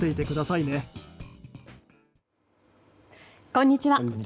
こんにちは。